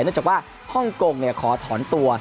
เนื่องจากว่าฮ่องกงขอถอนตัว